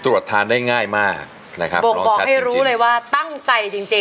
ตรวจทานได้ง่ายมากบอกให้รู้เลยว่าตั้งใจจริง